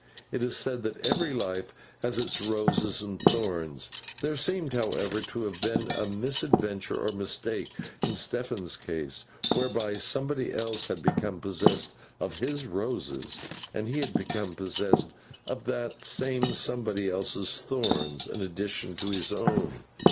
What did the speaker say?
It is said that every life has its roses and thorns; there seemed, however, to have been a misadventure or mistake in Stephen's case, whereby somebody else had become possessed of his roses, and he had become possessed of the same somebody else's thorns in addition to his own.